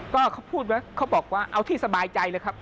ก็เขาพูดไว้เขาบอกว่าเอาที่สบายใจเลยครับ